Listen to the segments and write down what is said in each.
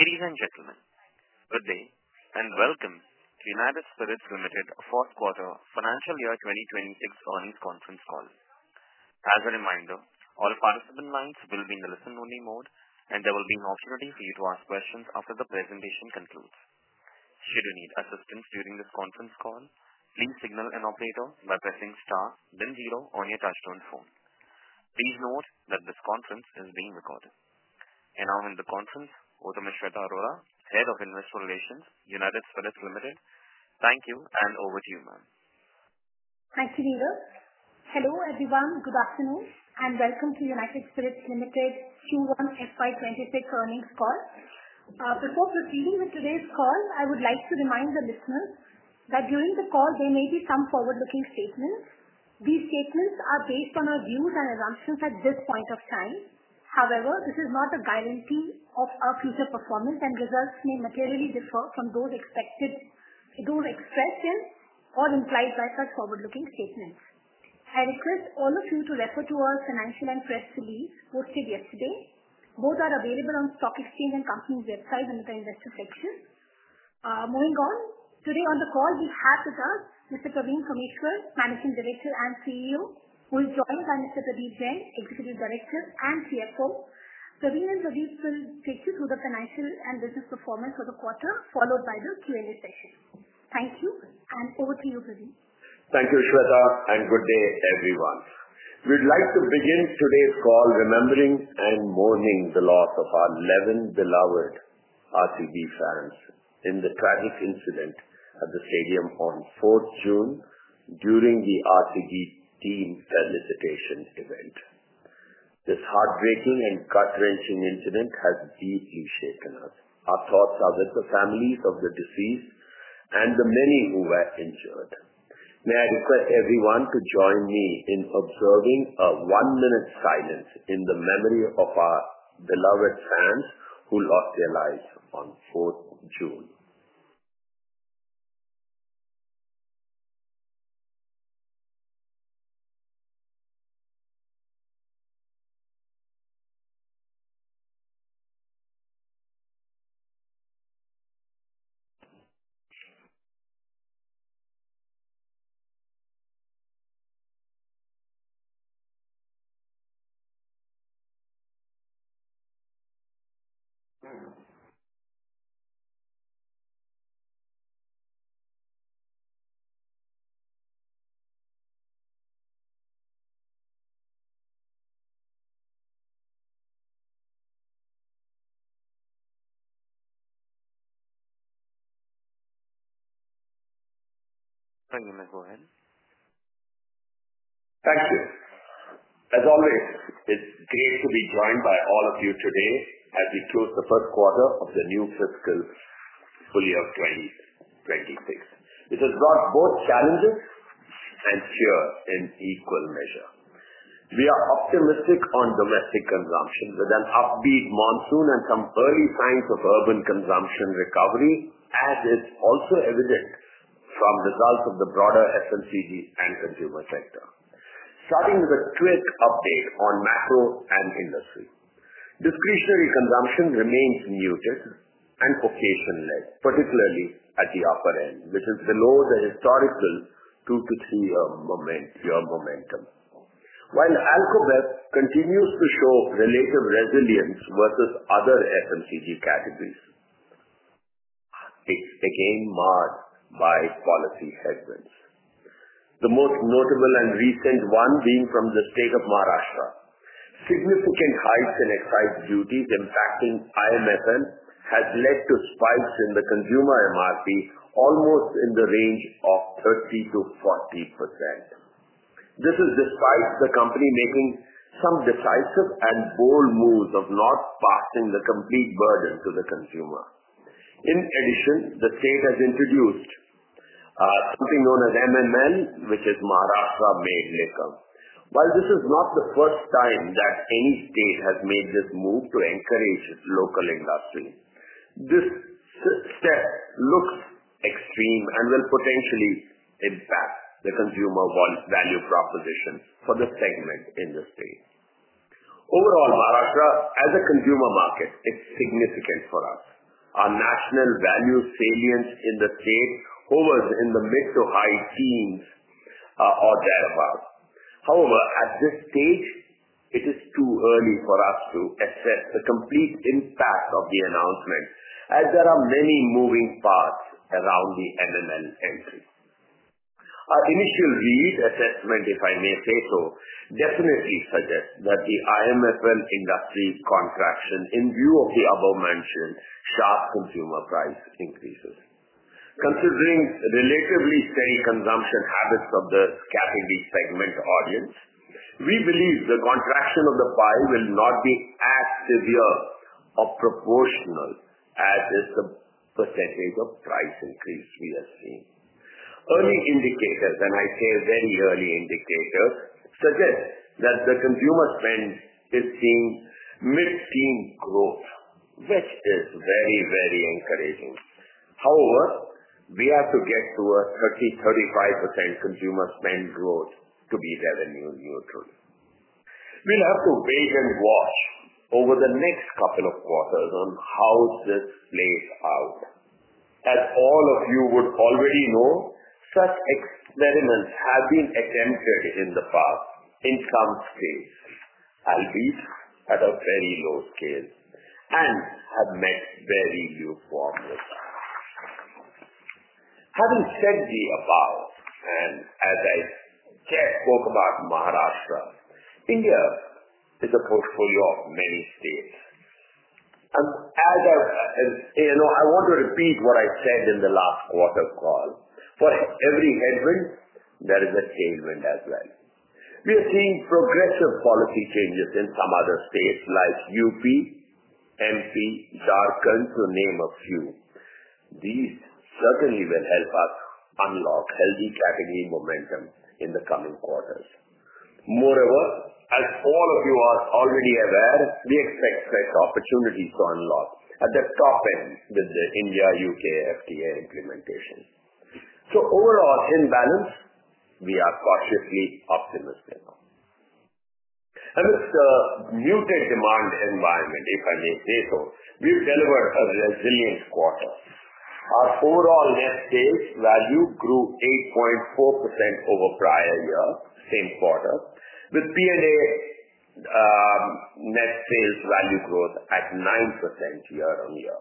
Ladies and gentlemen, good day and welcome to United Spirits Limited, a fourth quarter financial year 2026 earnings conference call. As a reminder, all participant lines will be in the listen-only mode, and there will be no free to ask questions after the presentation concludes. Should you need assistance during this conference call, please signal an operator by pressing star, then zero on your touchtone phone. Please note that this conference is being recorded. Now, in the conference, Shweta Arora, Head of Investor Relations, United Spirits Limited. Thank you and over to you, ma'am. Thank you, leader. Hello, everyone. Good afternoon and welcome to United Spirits Limited Q1 FY26 earnings call. Before proceeding with today's call, I would like to remind the listeners that during the call, there may be some forward-looking statements. These statements are based on our views and assumptions at this point of time. However, this is not a guarantee of our future performance and results may materially differ from those expected or expressed in or implied by such forward-looking statements. I request all of you to refer to our financial and press release posted yesterday. Both are available on the Stock Exchange and Company's website in the Investor section. Moving on, today on the call, we have with us Mr. Praveen Kameshwar, Managing Director and CEO, who will join us, and Mr. Pradeep Jain, Executive Director and CFO. Praveen and Pradeep will take you through the financial and business performance for the quarter, followed by the Q&A session. Thank you and over to you, Praveen. Thank you, Shweta, and good day, everyone. We'd like to begin today's call remembering and mourning the loss of our 11 beloved RPG fans in the tragic incident at the stadium on June 4 during the RPG team's felicitations event. This heartbreaking and gut-wrenching incident has deeply shaken us. Our thoughts are with the families of the deceased and the many who were injured. May I request everyone to join me in observing a one-minute silence in the memory of our beloved fans who lost their lives on 4th June. Thank moment go a head. Thank you. As always, it's great to be joined by all of you today as we close the first quarter of the new fiscal fully of 2026. It has brought both challenges and cheer in equal measure. We are optimistic on domestic consumption with an upbeat monsoon and some early signs of urban consumption recovery, as is also evident from results of the broader SLCG and consumer sector. Starting with a quick update on macro and industry, discretionary consumption remains muted and perceived in late, particularly at the upper end, which is below the historical 2-3 year momentum. While Alcobev continues to show relative resilience versus other FMCG categories, it's again marred by policy headwinds. The most notable and recent one being from the state of Maharashtra. Significant hikes in excise duties impacting biomethane have led to spikes in the consumer MRP almost in the range of 30 to 40%. This is despite the company making some decisive and bold moves of not passing the complete burden to the consumer. In addition, the state has introduced something known as MML which is Maharashtra Made Liquor (MML). While this is not the first time that any state has made this move to encourage local industry, this step looks extreme and will potentially impact the consumer value propositions for the segment industry. Overall, Maharashtra as a consumer market is significant for us. Our national value salience in the trade hover in the mid to high teens or thereabouts. However, at this stage, it is too early for us to assess the complete impact of the announcement as there are many moving parts around the entry. Our initial read assessment, if I may say so, definitely suggests that the IMFL industry's contraction in view of the above-mentioned soft consumer price increases. Considering relatively staying consumption habits of the carrying segment audience, we believe the contraction of the pie will not be as severe or proportional as a percentage of price increase we have seen. Early indicators, and I say very early indicators, suggest that the consumer trend is seeing mid-teen growth, which is very, very encouraging. However, we have to get to a 30 to 35% consumer spend growth to be revenue neutral. We'll have to wait and watch over the next couple of quarters on how this plays out. As all of you would already know, such experiments have been attempted in the past in some states, at least at a very low scale, and have met very uniform results. Having said the above, and as I spoke about Maharashtra, India is a portfolio of many states. I want to repeat what I said in the last quarter call. For every headwind, there is a change wind as well. We're seeing progressive policy changes in some other states like Uttar Pradesh, Madhya Pradesh, Jharkhand, to name a few. These certainly will help us unlock healthy tracking momentum in the coming quarters. Moreover, as all of you are already aware, we expect great opportunities to unlock at the top end with the India-UK FTA implementation. Overall, in balance, we are cautiously optimistic. It's a muted demand environment, if I may say so. We've delivered a resilient quarter. Our overall net sales value grew 8.4% over prior year, same quarter, with Prestige & Above net sales value growth at 9% year-on-year.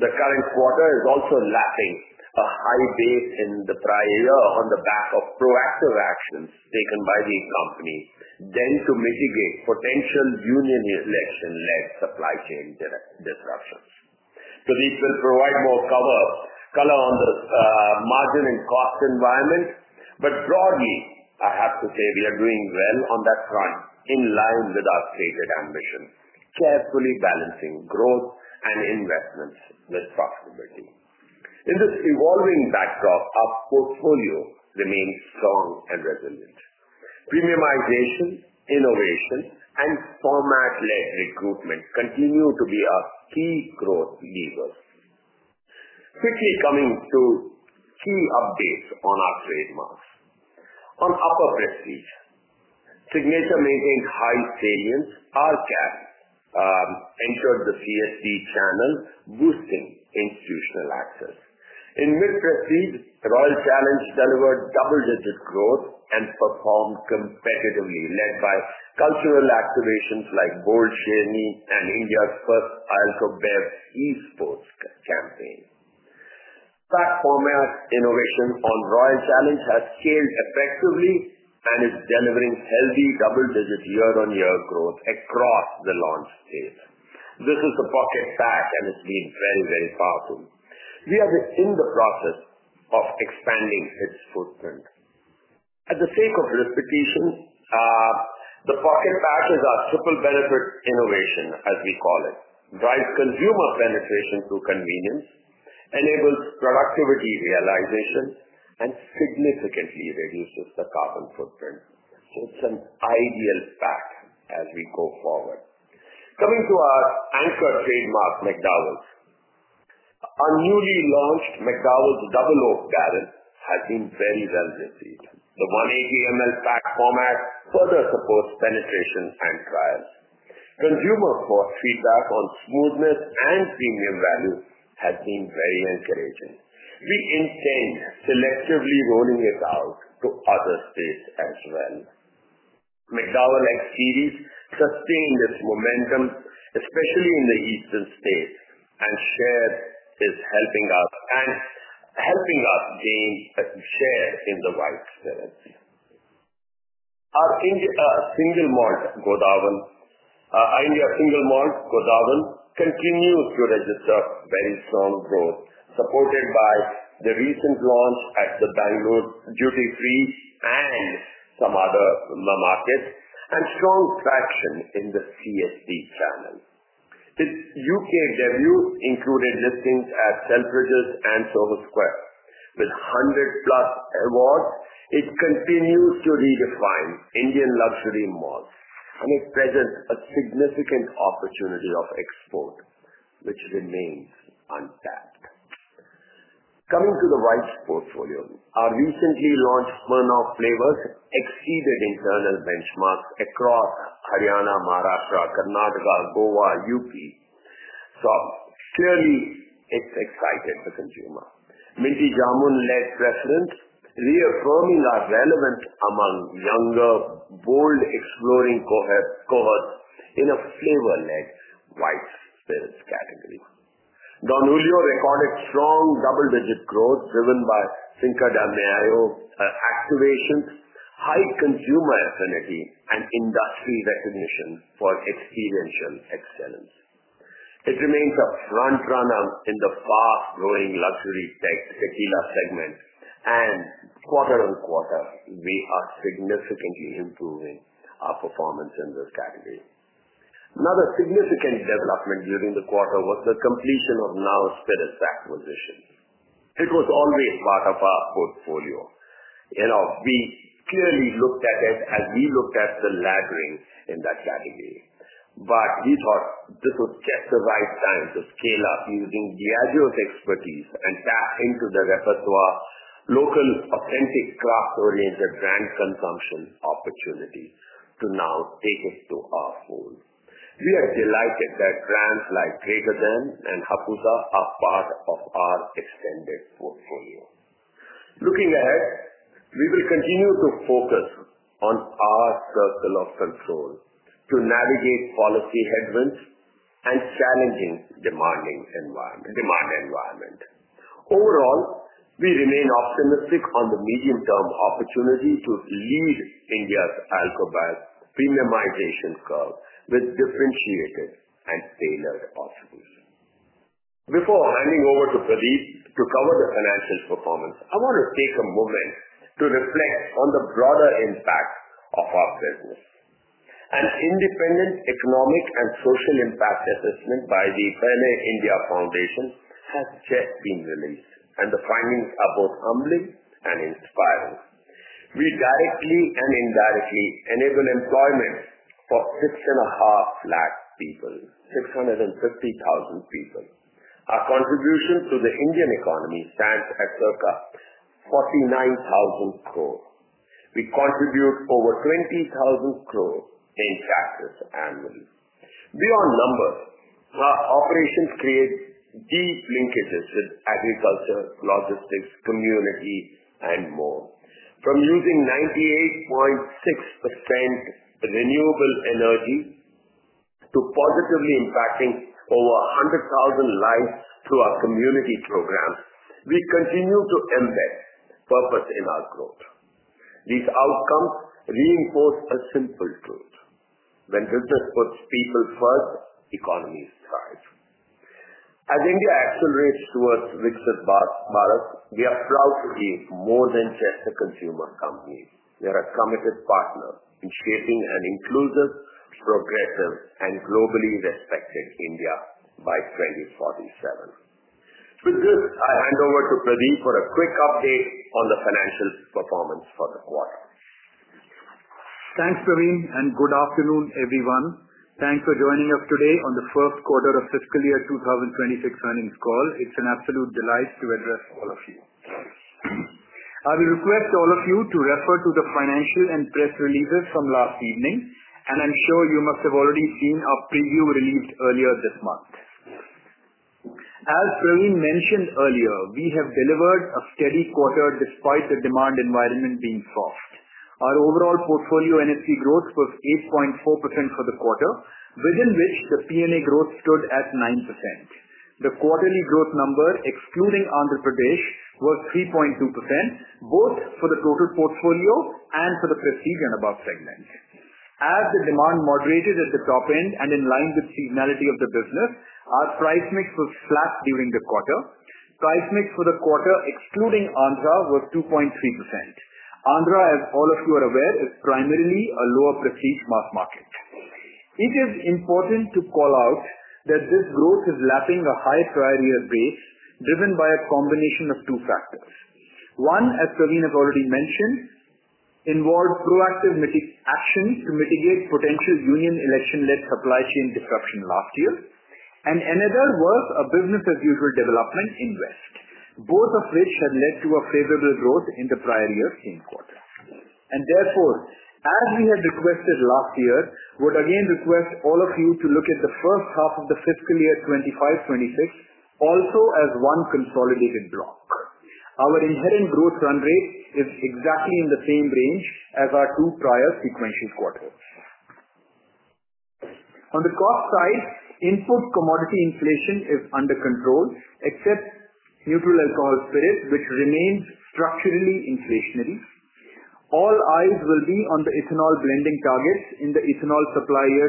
The current quarter is also lacking a high base in the prior year on the back of proactive actions taken by the company then to mitigate potential union relation led supply chain disruptions. We can provide more color on the margin and cost environment. Broadly, I have to say we are doing well on that front in line with our stated ambition, carefully balancing growth and investments with profitability. In this evolving backdrop, our portfolio remains strong and resilient. Premiumization, innovation, and format-led recruitment continue to be our key growth levers. Quickly coming to key updates on our trade must. On upper prestige, Signature making high salients, Royal Challenge American Pride entered the CSD channels, boosting institutional access. In mid-prestige, Royal Challenge delivered double-digit growth and performed competitively led by cultural activations like bowl shaming and India's first Alcobev eSports campaign. Platform innovation on Royal Challenge has scaled effectively and is delivering healthy double-digit year-on-year growth across the launch phase. This is a pocket fact, and it's been very, very powerful. We are in the process of expanding its footprint. At the sake of repetition, the pocket pass is our triple benefit innovation, as we call it. Bright consumer penetration to convenience enables productivity realization and significantly reduces the carbon footprint, which is an ideal stack as we go forward. Coming to our iShot trademark McDowell's, our newly launched McDowell’s Double Oak Barrel has been very well received. The 180 ml pack format further supports penetration and trial. Consumer feedback on smoothness and premium value has been very encouraging. We intend to collectively roll it out to other states as well. McDowell's X series sustain this momentum, especially in the Eastern states, and share is helping us and helping us gain a share in the white spirits. Our single malt Godawan, our India single malt Godawan, continues to register very strong growth, supported by the recent launch at the Delhi duty-free and some other markets and strong traction in the CSD channel. This UK debut included listings at Selfridges and Soho Square. With 100 plus awards, it continues to redefine Indian luxury malt and it presents a significant opportunity of export, which remains untapped. Coming to the white portfolio, our recently launched Burnout Flavors exceeded internal benchmarks across Haryana, Maharashtra, Karnataka, Goa, Uttar Pradesh, so clearly it's exciting for consumers. Multi-genre-led precedents reaffirming our relevance among younger, bold, exploring cohorts in a flavor-led white spirits category. Don Julio recorded strong double-digit growth driven by synchronized Nao activation, high consumer affinity, and industry recognition for experiential excellence. It remains a front runner in the fast-growing luxury tequila segment, and quarter on quarter, we are significantly improving our performance in this category. Another significant development during the quarter was the completion of Nao Spirits acquisition. It was always part of our portfolio. We clearly looked at it as we looked at the labyrinth in that category. We thought this was just the right time to scale up using Greater Than expertise and tap into the repertoire of local authentic stock-oriented brand consumption opportunity to now take us to our home. We are delighted that brands like Greater Than and Hapusa are part of our extended portfolio. Looking ahead, we will continue to focus on our circle of control to navigate policy headwinds and challenging demand environment. Overall, we remain optimistic on the medium-term opportunity to lead India's Alcobev premiumization curve with differentiated and tailored possibilities. Before handing over to Pradeep Jain to cover the financial performance, I want to take a moment to reflect on the broader impact of our business. An independent economic and social impact assessment by the PEN India Foundation has just been released, and the findings are both humbling and inspiring. We directly and indirectly enable employment for six and a half lakh people, 650,000 people. Our contribution to the Indian economy stands at circa 49,000 crore. We contribute over 20,000 crore in taxes annually. Beyond numbers, our operations create deep linkages with agriculture, logistics, community, and more. From using 98.6% renewable energy to positively impacting over 100,000 lives through our community programs, we continue to embed purpose in our growth. These outcomes reinforce a simple truth. when richness puts people first, economies thrive. As India accelerates towards richest markets, we are proud to be more than just a consumer company. We are a committed partner in shaping an inclusive, progressive, and globally respected India by 2047. With this, I hand over to Pradeep for a quick update on the financial performance for the quarter. Thanks, Praveen, and good afternoon, everyone. Thanks for joining us today on the fourth quarter of fiscal year 2026 earnings call. It's an absolute delight to address all of you. I will request all of you to refer to the financial and press releases from last evening, and I'm sure you must have already seen our preview released earlier this month. As Praveen mentioned earlier, we have delivered a steady quarter despite the demand environment being soft. Our overall portfolio NFP growth was 8.4% for the quarter, within which the P&A growth stood at 9%. The quarterly growth number, excluding Andhra Pradesh, was 3.2%, both for the total portfolio and for the Prestige & Above segments. As the demand moderated at the top end and in line with seasonality of the business, our price mix was flat during the quarter. Price mix for the quarter, excluding Andhra, was 2.3%. Andhra, as all of you are aware, is primarily a lower prestige mass market. It is important to call out that book growth is lapping a high prior year base, driven by a combination of two factors. One, as Praveen has already mentioned, involved proactive actions to mitigate potential union election-led supply chain disruption last year. Another was a business as usual development invest, both of which had led to a favorable growth in the prior year's same quarter. Therefore, as we had requested last year, I would again request all of you to look at the first half of the fiscal year 2025-2026 also as one consolidated block. Our inherent growth run rate is exactly in the same range as our two prior sequential quarters. On the cost side, input commodity inflation is under control, except neutral alcohol spirit, which remains structurally inflationary. All eyes will be on the ethanol blending targets in the ethanol supply year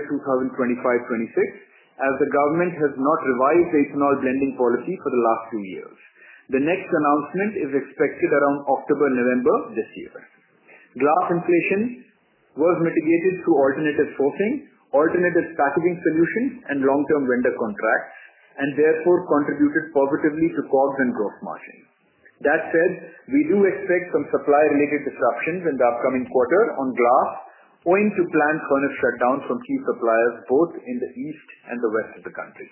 2025-2026, as the government has not revised the ethanol blending policy for the last few years. The next announcement is expected around October-November this year. Glass inflation was mitigated through alternative sourcing, alternative packaging solutions, and long-term vendor contracts, and therefore contributed positively to COGS and gross margin. That said, we do expect some supply-related disruptions in the upcoming quarter on glass, owing to planned kind of shutdown from key suppliers both in the east and the west of the country.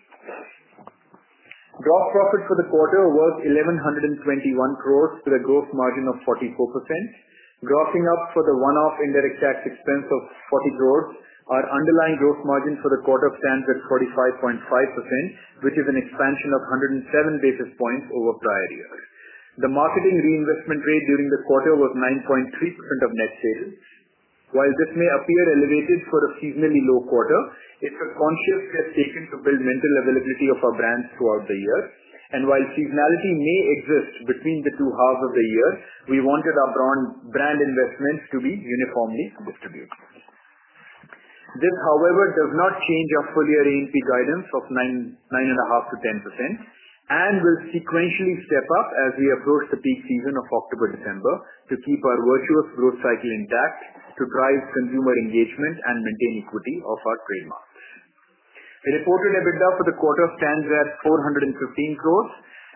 Block profit for the quarter was 1,121 crore with a gross margin of 44%. Dropping up for the one-off indirect tax expense of 40 crore, our underlying gross margin for the quarter stands at 45.5%, which is an expansion of 107 basis points over prior years. The marketing reinvestment rate during the quarter was 9.3% of net sales. While this may appear elevated for a seasonally low quarter, it's a conscious decision to build mental availability of our brands throughout the year. While seasonality may exist between the two halves of the year, we wanted our brand investments to be uniformly smooth to do. This, however, does not change our full RE&P guidance of 9.5%-10% and will sequentially step up as we approach the peak season of October-December to keep our virtuous growth cycle intact to drive consumer engagement and maintain equity of our trademarks. Reported EBITDA for the quarter stands at 415 crore.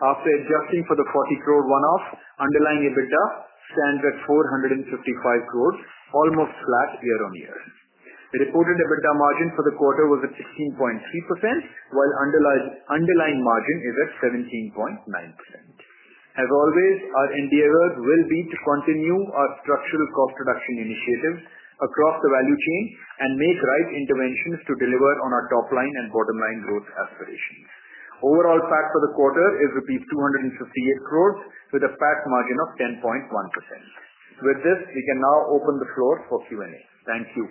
After adjusting for the 40 crore one-off, underlying EBITDA stands at 455 crore, almost flat year on year. The reported EBITDA margin for the quarter was at 16.3%, while underlying margin is at 17.9%. As always, our endeavors will be to continue our structural cost reduction initiative across the value chain and make right interventions to deliver on our top line and bottom line growth aspirations. Overall PAT for the quarter is rupees 258 crore with a PAT margin of 10.1%. With this, we can now open the floor for Q&A. Thank you.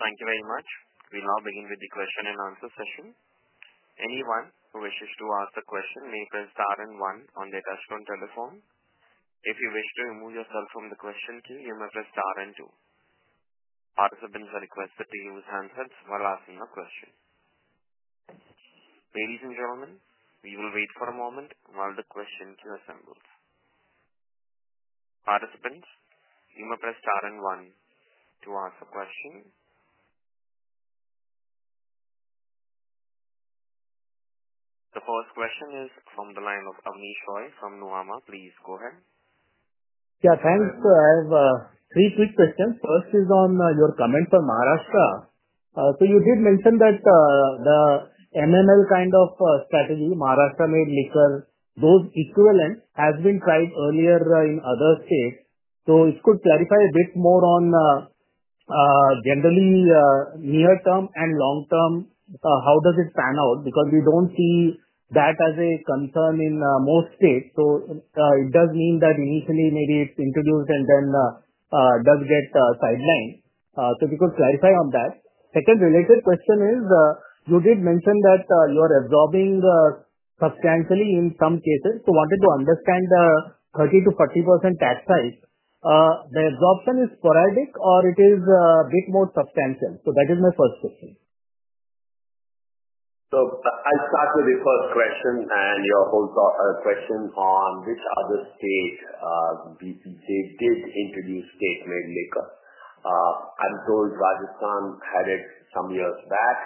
Thank you very much. We now begin with the question and answer session. Anyone who wishes to ask a question may press star and one on their touchstone telephone. If you wish to remove yourself from the question queue, you may press star and two. Participants are requested to use hands up while asking a question. Ladies and gentlemen, we will wait for a moment while the question queue assembles. Participants, you may press star and one to ask a question. The first question is from the line of Abneesh Roy from Nuvama. Please go ahead. Yeah, thanks. I have three quick questions. First is on your comment on Maharashtra. You did mention that the MML kind of strategy, Maharashtra Made Liquor, those equivalents, has been tried earlier in other states. If you could clarify a bit more on generally near-term and long-term, how does it pan out? We don't see that as a concern in most states. Does it mean that initially maybe it's introduced and then does get sidelined? If you could clarify on that. Second related question is, you did mention that you are absorbing substantially in some cases. I wanted to understand the 30 to 40% tax hikes. The absorption is sporadic or it is a bit more substantial? That is my first question. I'll start with the first question and your whole question on which other states BPJs did introduce State Made Liquor. I'm told Rajasthan had it some years back.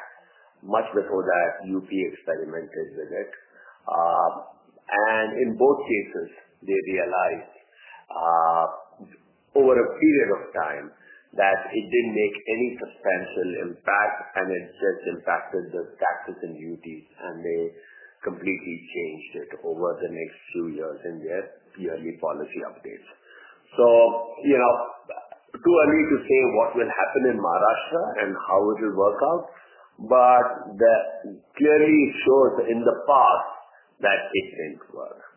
Much before that, Uttar Pradesh experimented with it. In both cases, they realized over a period of time that it didn't make any substantial impact, and it just impacted the taxes and duties and may completely change it over the next few years. See how many policy updates. It's too early to say what will happen in Maharashtra and how it will work out. That clearly shows that in the past it didn't work.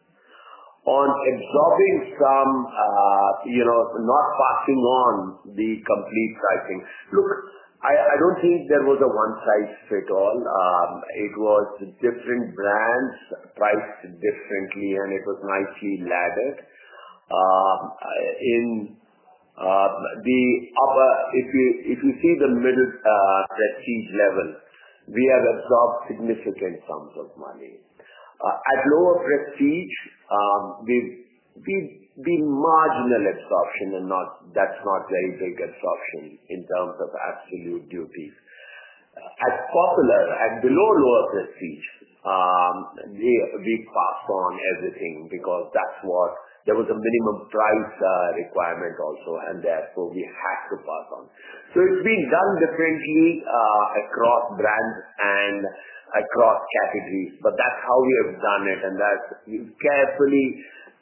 On absorbing some, you know, not passing on the complete pricing. Look, I don't think there was a one-size-fits-all. It was different brands priced differently, and it was nicely laid out. If you see the little prestige level, we have absorbed significant sums of money. At lower prestige, we've been marginal absorption, and that's not very big absorption in terms of absolute duties. At popular and below lower prestige, we pass on everything because that's what there was a minimum price requirement also, and therefore we have to pass on. It's being done differently across brands and across categories, but that's how we have done it. You've carefully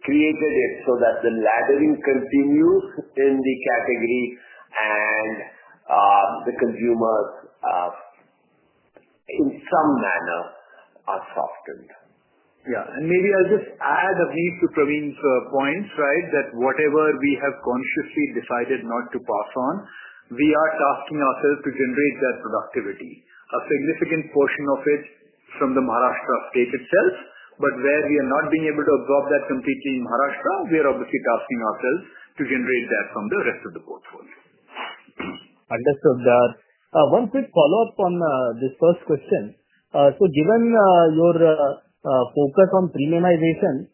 created it so that the labyrinth continues in the category and the consumers in some manner are softened. Maybe I'll just add a few to Praveen's points, that whatever we have consciously decided not to pass on, we are tasking ourselves to generate that productivity. A significant portion of it is from the Maharashtra uptake itself. Where we are not being able to absorb that completely in Maharashtra, we are obviously tasking ourselves to generate that from the rest of the board. Understood, sir. One quick follow-up on this first question. Given your focus on premiumization,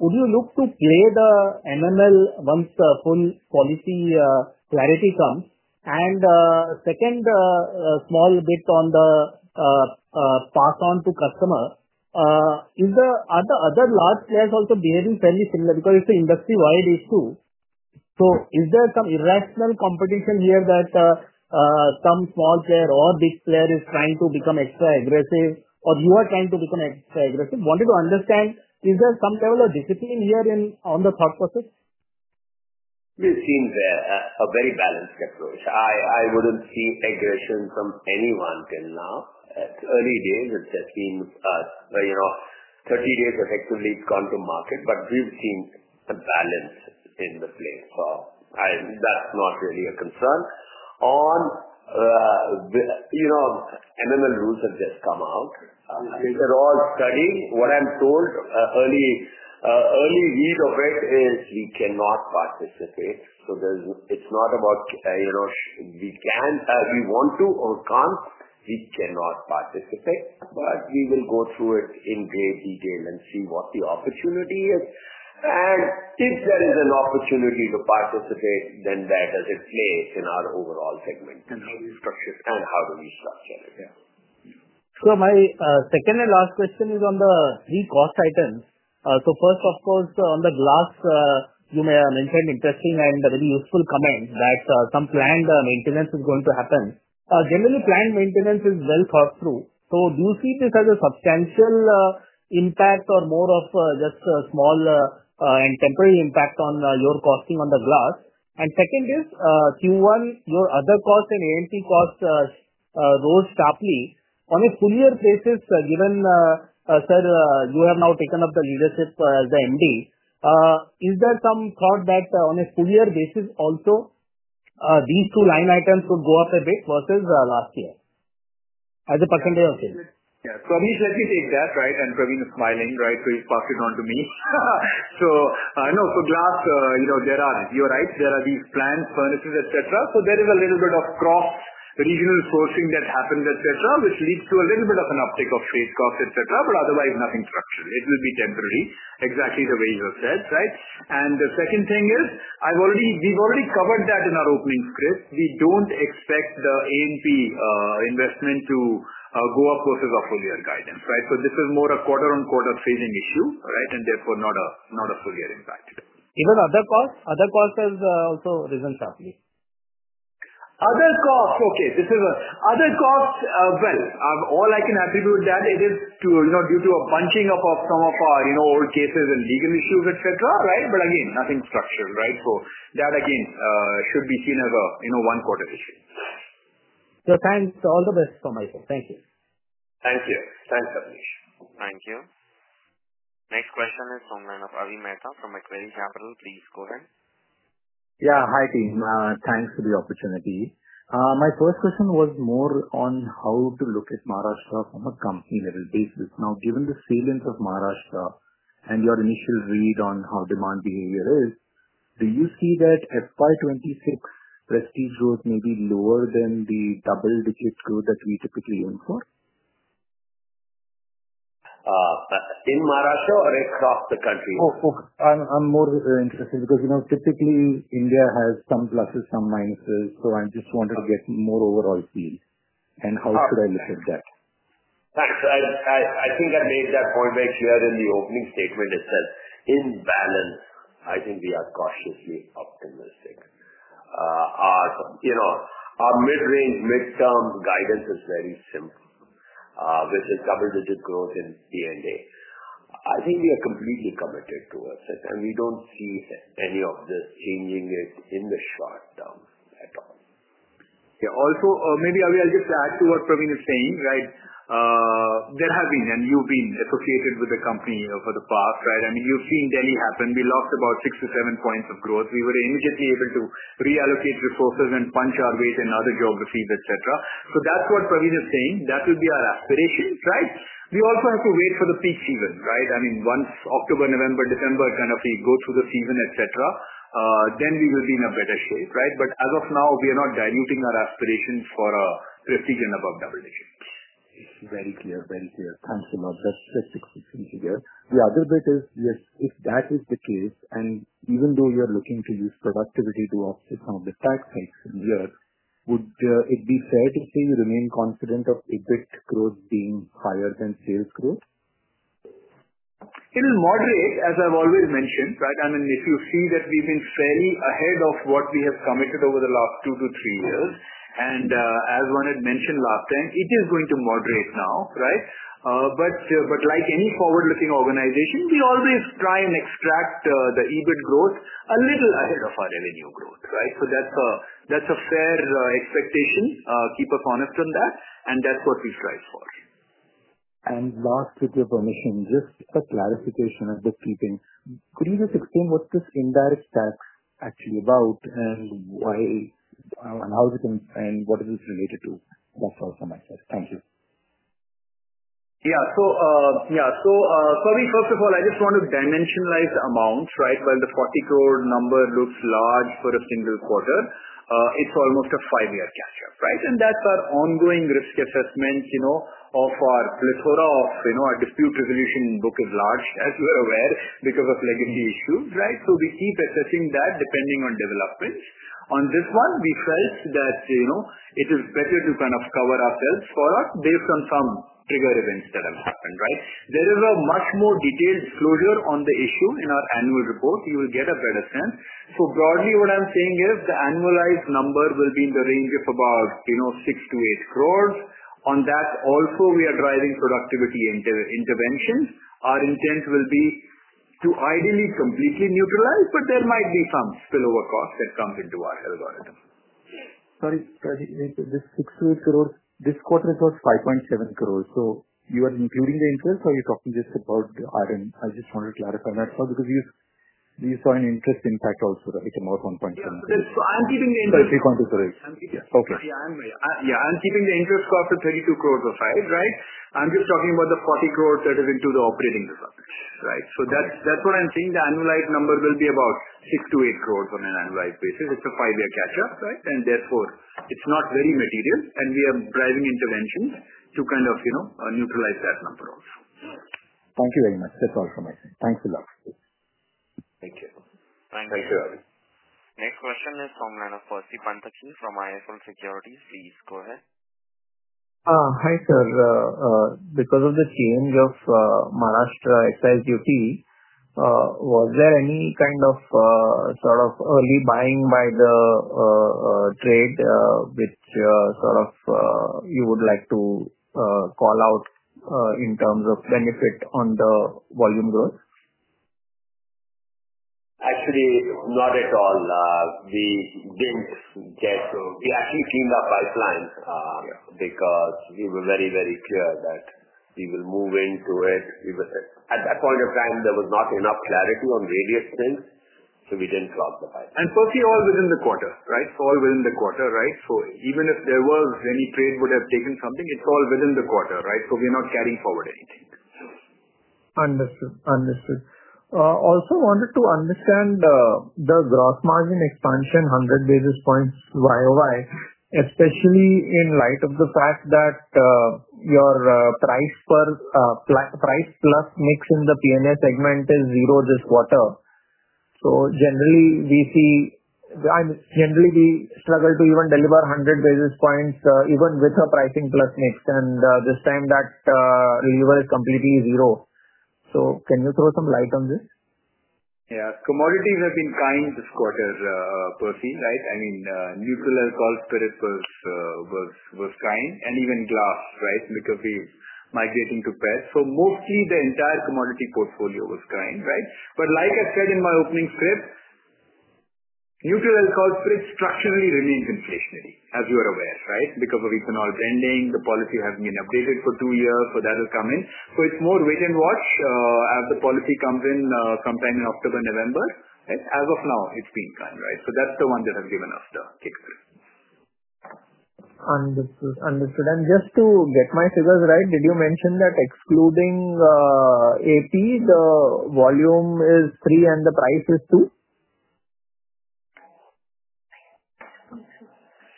would you look to create an MML once the full policy clarity comes? A small bit on the pass on to customer. Are the other large players also behaving fairly similar? It's an industry-wide issue. Is there some irrational competition here that some small player or big player is trying to become extra aggressive or you are trying to become extra aggressive? I wanted to understand, is there some level of discipline here on the thought process? We've seen a very balanced approach. I wouldn't see aggression from anyone till now. At early days, it has been us, you know, 30 days effectively gone to market, but we've seen a balance in the place. That's not really a concern. MML rules have just come out. These are all studies. What I'm told early, early weeds of it is we cannot participate. It's not about, you know, we can't, we want to or can't. We cannot participate, but we will go through it in great detail and see what the opportunity is. If there is an opportunity to participate, then that has its place in our overall segment. In how do we structure it? How do we structure it again. My second and last question is on the three cost items. First, of course, on the glass, you mentioned interesting and very useful comments that some planned maintenance is going to happen. Generally, planned maintenance is well thought through. Do you see this as a substantial impact or more of just a small and temporary impact on your costing on the glass? Second is, Q1, your other cost and AMP cost rose sharply. On a full year basis, given sir, you have now taken up the leadership as the MD, is there some thought that on a full year basis also these two line items would go up a bit versus last year as a percentage of sales? Preveen let me take that, right? Praveen is smiling, right? He passed it on to me. For glass, you know, there are geo rights. There are these planned furnaces, etc. There is a little bit of cross-regional sourcing that happens, that there will see which leads to a little bit of an uptake of space costs, but otherwise, nothing structured. It will be temporary, exactly the way you have said, right? The second thing is, we've already covered that in our opening scripts. We don't expect the AMP investment to go up versus a full year guidance, right? This is more a quarter-on-quarter phasing issue, and therefore, not a full year impact. Even other costs? Other costs have also risen sharply. Other costs, okay. Other costs, all I can attribute that to is, you know, due to a bunching up of some of our old cases and legal issues, etc., right? Again, nothing structured, right? That again should be seen as a, you know, one-quarter issue. Thank you. All the best from my side. Thank you. Thank you. Thanks, Abneesh. Thank you. Next question is from Avi Mehta from Atwater Capital. Please go ahead. Yeah, hi, team. Thanks for the opportunity. My first question was more on how to look at Maharashtra from a company level basis. Now, given the salience of Maharashtra and your initial read on how demand behavior is, do you see that at 526, Prestige growth may be lower than the double-digit growth that we typically look for? In Maharashtra or across the country? I'm more interested because, you know, typically, India has some pluses, some minuses. I just wanted to get more overall feel. How should I look at that? Thanks. I think I made that point very clear in the opening statement itself. In balance, I think we are cautiously optimistic. Our mid-range, mid-term guidance is very simple. With a double-digit growth in P&A, I think we are completely committed to it. We don't see any of this changing in the short term at all. Also, maybe I'll just add to what Praveen is saying, right? There have been, and you've been associated with the company for the past, right? I mean, you've seen Delhi happen. We lost about 6-7 points of growth. We were immediately able to reallocate resources and punch our ways in other geographies, etc. That's what Praveen is saying. That would be our aspiration, right? We also have to wait for the peak season, right? I mean, once October, November, December, we go through the season, etc., then we will be in a better shape, right? As of now, we are not diluting our aspirations for a Prestige & Above double digit. It's very clear, very clear. Thanks for my best place exclusively here. The other bit is, yes, if that is the case, and even though we are looking to use productivity to offset some of the tax hikes in the year, would it be fair to say you remain confident of existing growth being higher than sales growth? It is moderate, as I've always mentioned, right? I mean, if you see that we've been fairly ahead of what we have committed over the last 2-3 years. As one had mentioned last time, it is going to moderate now, right? Like any forward-looking organization, we always try and extract the EBIT growth a little ahead of our revenue growth, right? That's a fair expectation. Keep us honest on that. That's what we strive for. Last with your permission, just a clarification of the key things. Could you just explain what this indirect tax is actually about, why and how is it going to, and what is this related to? That's all for my set. Thank you. First of all, I just want to dimensionalize the amounts, right? When the 40 crore number looks large for a single quarter, it's almost a five-year capture, right? That's our ongoing risk assessment. Our dispute resolution book is large, as you're aware, because of legacy issues, right? We keep assessing that depending on developments. On this one, we felt that it is better to kind of cover ourselves based on some trigger events that have happened, right? There is a much more detailed exposure on the issue in our integrated annual report. You will get a better sense. Broadly, what I'm saying is the annualized number will be in the range of about 6-8 crore. On that, also, we are driving productivity interventions. Our intent will be to ideally completely neutralize, but there might be some spillover costs that come into our algorithm. Sorry, this 6-8 crores, this quarter was 5.7 crores. You are including the interest, or are you talking just about the RN? I just want to clarify on that part because you saw an interest impact also, right, about INR 1.7 billion. I'm keeping the interest. If you can't authorize. Yeah, I'm keeping the interest cost at 32 crore of 5, right? I'm just talking about the 40 crore that is into the operating result, right? That's what I'm saying. The annualized number will be about 6-8 crore on an annualized basis of the five-year cash flow, right? Therefore, it's not very material. We are driving intervention to kind of, you know, neutralize that number also. Thank you very much. That's all for my side. Thanks, alot. Thank you. Thank you. Next question is from line of Percy Panther Ching from ISL Securities. Please go ahead. Hi, sir. Because of the change of Maharashtra excise duty, was there any kind of early buying by the trade which you would like to call out in terms of benefit on the volume growth? Actually, not at all. We didn't get to, we actually seen the pipelines because we were very, very clear that we were moving to it. At that point in time, there was not enough clarity on various things. We didn't close the pipeline. All within the quarter, right? Even if there was any trade would have taken something, it's all within the quarter, right? We're not carrying forward anything. Understood. I also wanted to understand the gross margin expansion, 100 basis points YOY, especially in light of the fact that your price plus mix in the P&A segment is zero this quarter. Generally, we struggle to even deliver 100 basis points even with a pricing plus mix, and this time, that level is completely zero. Can you throw some light on this? Yeah. Commodities have been fine this quarter, Percy, right? I mean, neutral alcohol spirit was kind and even glass, right, because we've migrated into PET. Mostly, the entire commodity portfolio was kind, right? Like I said in my opening script, neutral alcohol spirit structurally remains inflationary, as you are aware, right, because of ethanol blending. The policy has been updated for two years, so that will come in. It's more wait and watch as the policy comes in, companion October-November. As of now, it's been fine, right? That's the one that has given us the kick. Understood. Just to get my figures right, did you mention that excluding AP, the volume is three and the price is two?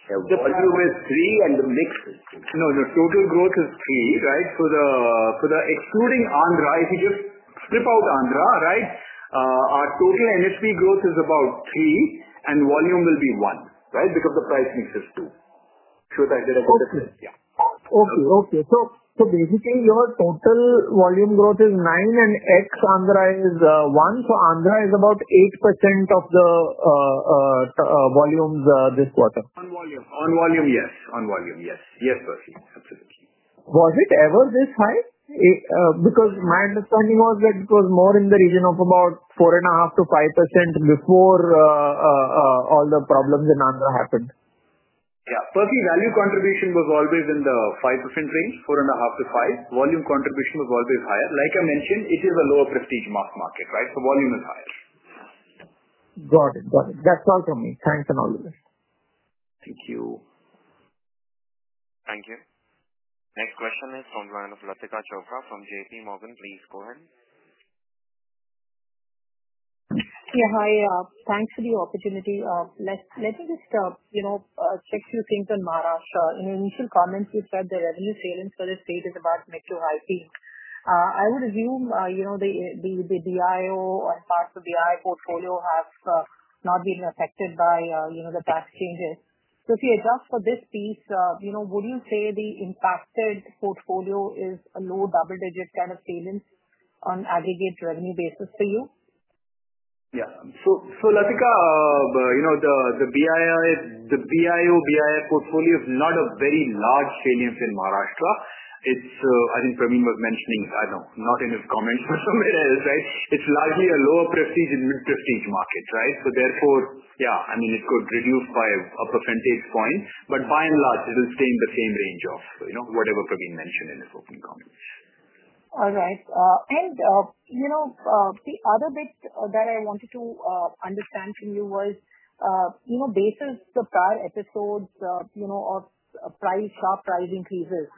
The volume is three and the mix is two. Total growth is three, right? For the excluding Andhra, if you just strip out Andhra, our total NFP growth is about three and volume will be one, because the price mix is two. Should I get a question? Okay. So basically, your total volume growth is 9% and X Andhra is 1%. Andhra is about 8% of the volumes this quarter? On volume, yes. On volume, yes. Yes, Percy. Absolutely. Was it ever this high? Because my understanding was that it was more in the region of about 4.5% to 5% before all the problems in Andhra happened. Yeah. Percy, value contribution was always in the 5% range, 4.5% to 5%. Volume contribution was always higher. Like I mentioned, it is a lower Prestige & Above market, right? So volume is higher. Got it. Got it. That's all from me. Thanks and all the best. Thank you. Thank you. Next question is from line of Latika Chopra from JP Morgan. Please go ahead. Yeah. Hi. Thanks for the opportunity. Let me just fix you a few things on Maharashtra. In your initial comments, you said the revenue salience for the state is about metro IP. I would assume the BIO or parts of the BIO portfolio have not been affected by the tax changes. If you adjust for this piece, would you say the impacted portfolio is a low double-digit kind of salience on aggregate revenue basis for you? Yeah. Latika, you know, the BIO BIO portfolio is not a very large salience in Maharashtra. It's, I think Praveen was mentioning, I don't know, not in his comments, but somewhere else, right? It's largely a lower prestige and mid-prestige market, right? Therefore, yeah, I mean, it could reduce by a percentage point. By and large, it will stay in the same range of, you know, whatever Praveen mentioned in his opening comments. All right. The other bit that I wanted to understand for you was, based on the prior episode of price increases,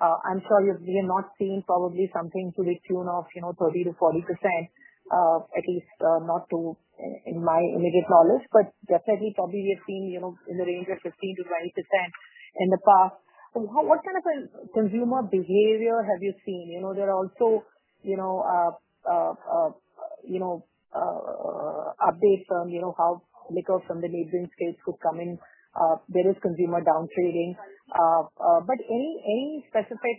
I'm sorry, we have not seen probably something to the tune of 30%-40%, at least not to my immediate knowledge, but definitely probably we have seen in the range of 15%-20% in the past. What kind of consumer behavior have you seen? There are also updates from how liquor from the neighboring states could come in, various consumer down trading. Any specific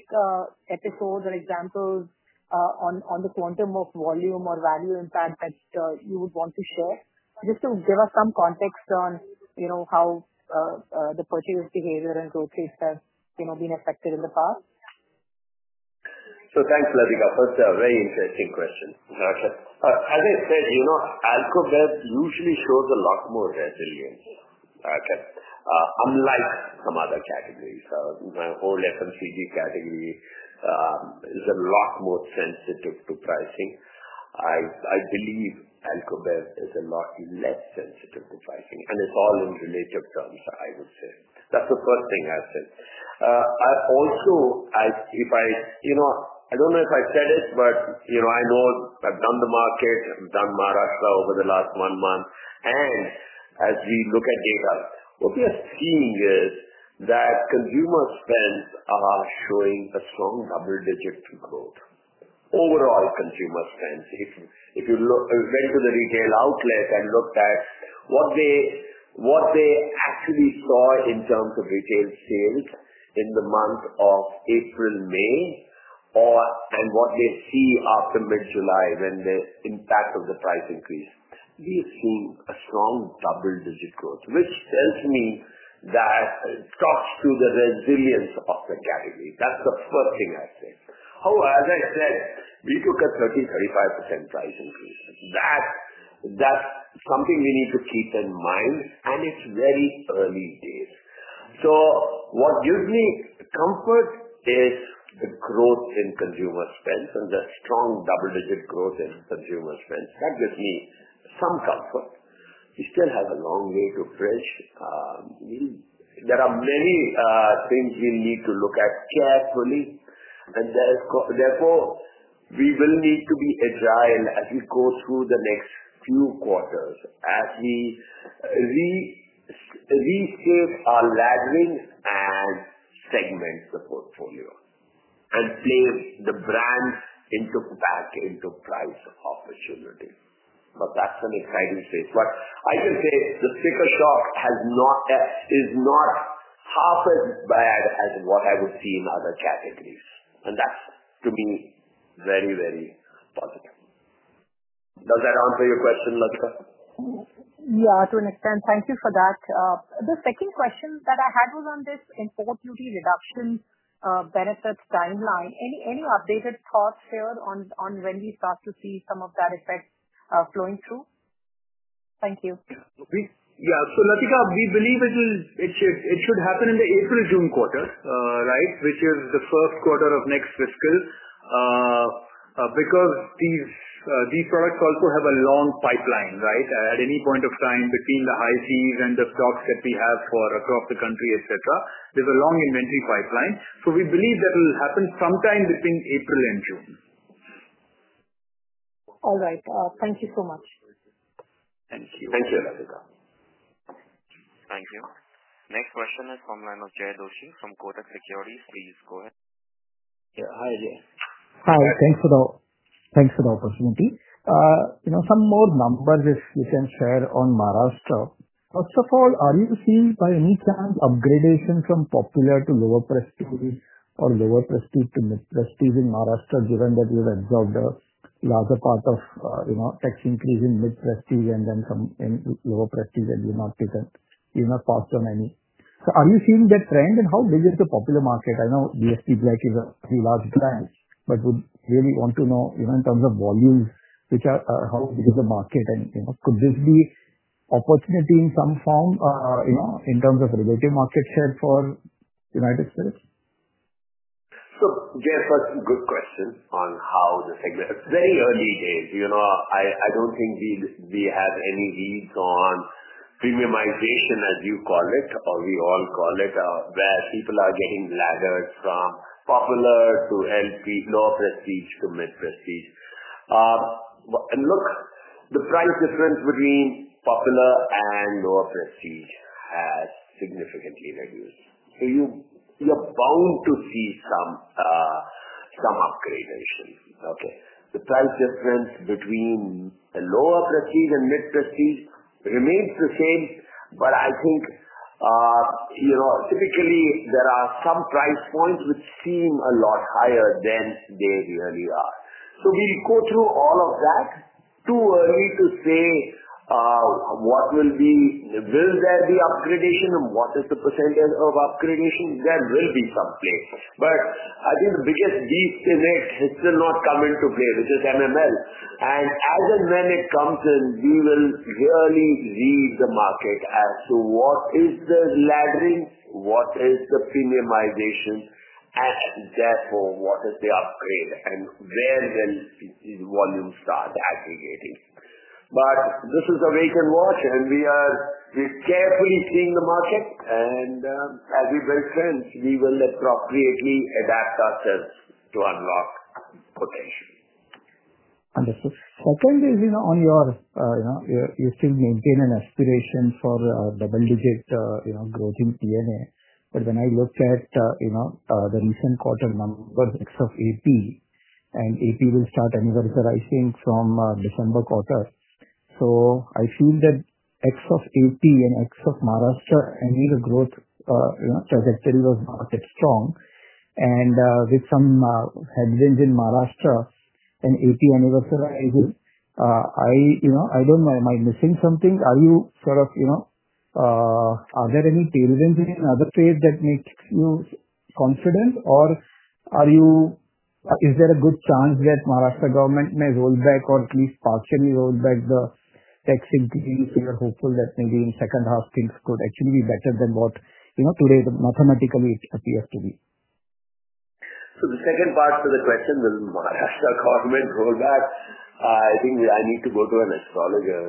episodes or examples on the quantum of volume or value impact that you would want to share? Just to give us some context on how the purchase behavior has been affected in the past. Thanks, Latika. That's a very interesting question. As I said, you know, alcohol usually shows a lot more resilience unlike some other categories. My whole FMCG category is a lot more sensitive to pricing. I believe alcohol is a lot less sensitive to pricing, and it's all in the nature of terms, I would say. That's the first thing I've said. I also, if I, you know, I don't know if I've said it, but I know I've done the market, I've done Maharashtra over the last one month. As we look at data, what we are seeing is that consumer spend is showing a strong double-digit growth. Overall, consumer spend, if you went to the retail outlet and looked at what they actually saw in terms of retail sales in the month of April, May, or what they see after mid-July when the impact of the price increase, we've seen a strong double-digit growth, which tells me that it talks to the resilience of the category. That's the first thing I'd say. However, as I said, we took a 30 to 35% price increase. That is something we need to keep in mind, and it's very early days. What gives me comfort is the growth in consumer spend and the strong double-digit growth in consumer spend. That gives me some comfort. We still have a long way to push. There are many things we need to look at carefully. Therefore, we will need to be agile as we go through the next few quarters as we reshape our labyrinth and segment the portfolio and see the brand into pack into price opportunity. That's what I can say. I can say the sticker shock is not half as bad as what I would see in other categories, and that's, to me, very, very positive. Does that answer your question, Latika? Thank you for that. The second question that I had was on this import duty reduction benefits timeline. Any updated thoughts here on when we start to see some of that effect flowing through? Thank you. Yeah. Latika, we believe it should happen in the April-June quarter, which is the first quarter of next fiscal. These products also have a long pipeline, right? At any point of time between the high seas and the stocks that we have across the country, there's a long inventory pipeline. We believe that will happen sometime between April and June. All right, thank you so much. Thank you. Thank you, Latika. Thank you. Next question is from one of Jay Doshi from Kotak Securities. Please go ahead. Hi, again. Hi. Thanks for the opportunity. Some more numbers you can share on Maharashtra. First of all, are you seeing by any chance upgradation from popular to lower prestige or lower prestige to mid-prestige in Maharashtra, given that we've absorbed a larger part of, you know, tax increase in mid-prestige and then some in lower prestige and we've not taken even a cost on any? Are you seeing that trend and how big is the popular market? I know GST Black is a pretty large brand, but would really want to know, in terms of volumes, how big is the market and, you know, could this be opportunity in some form, in terms of relative market share for United Spirits Limited? Jay, good question on how the segment. Very early days, you know, I don't think we have any ease on premiumization, as you call it, or we all call it, where people are getting ladders from popular to LP, lower prestige to mid-prestige. Look, the price difference between popular and lower prestige has significantly reduced. You're bound to see some upgrades. The price difference between a lower prestige and mid-prestige remains the same, but I think, you know, typically, there are some price points which seem a lot higher than they really are. We go through all of that. Too early to say, will there be upgradation and what is the percentage of upgradation? There will be some place. I think the biggest disconnect has still not come into place. This is Maharashtra Made Liquor (MML). As and when it comes in, we will really read the market as to what is the laddering, what is the premiumization at their home, what is the upgrade, and where will the volume start aggregating. This is the way you can watch, and we are just carefully seeing the market. As we build trends, we will appropriately adapt ourselves to unlock potential. Understood. Hoping is, you know, you still maintain an aspiration for double-digit growth in P&A. When I looked at the recent quarter numbers, X of AP, and AP will start anniversary I think from December quarter. I feel that X of AP and X of Maharashtra annual growth trajectory was market strong. With some headwinds in Maharashtra and AP anniversary, I don't know. Am I missing something? Are you, are there any tailwinds in other trades that make you confident, or is there a good chance that Maharashtra government may roll back or at least partially roll back the tax increases? We are hopeful that maybe in the second half, things could actually be better than what today mathematically appears to be. The second part to the question is, will Maharashtra government roll back? I think I need to go to an astrologer.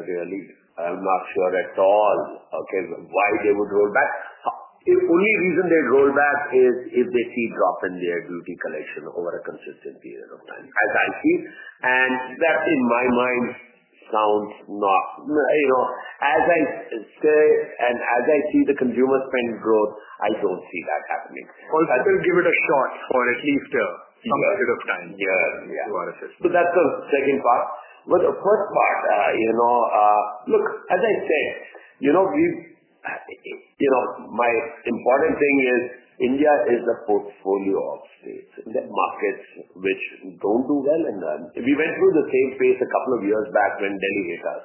I'm not sure at all, okay, why they would roll back. The only reason they'd roll back is if they see drop in their duty collection over a consistent period of time, as I see. In my mind, as I see the consumer spend growth, I don't see that happening. I'll give it a shot for at least some period of time. Yeah, yeah. For assistance. That's the second part. The first part, as I said, my important thing is India is the portfolio of states in the markets which don't do well. We went through the same phase a couple of years back when Delhi hit us.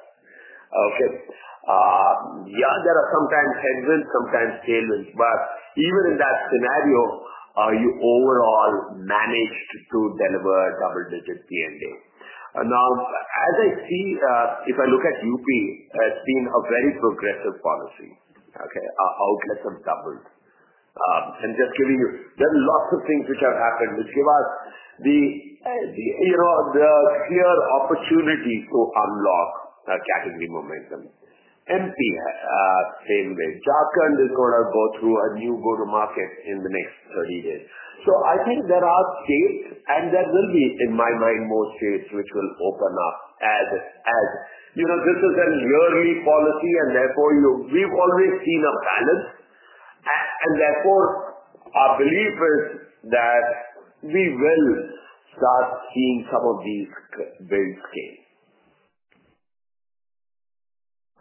There are sometimes headwinds, sometimes tailwinds, but even in that scenario, you overall manage to deliver double-digit P&A. Now, as I see, if I look at Uttar Pradesh, I've seen a very progressive policy. Outlets have doubled. Just giving you, there are lots of things which have happened, which give us the clear opportunity to unlock the category momentum. P&A, same way. Jharkhand, they're going to go through a new go-to-market in the next 30 days. I think there are states, and there will be, in my mind, more states which will open up as this is an early policy, and therefore, we've always seen a balance. Therefore, our belief is that we will start seeing some of these builds gain.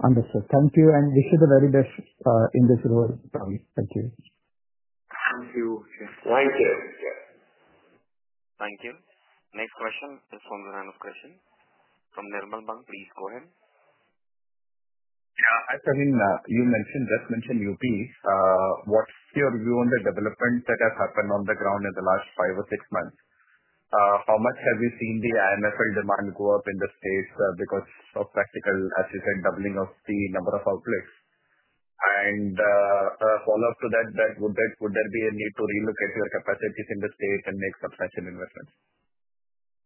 Understood. Thank you. Wish you the very best in this role. Thank you. Thank you. Thank you. Thank you. Next question is from the line of Christian from Nirmal Bang. Please go ahead. I'm sorry, you just mentioned UP. What's your view on the development that has happened on the ground in the last five or six months? How much have you seen the NFL demand go up in the states because of practical, as you said, doubling of the number of outlets? A follow-up to that, would there be a need to relocate your capacities in the state and make substantial investments?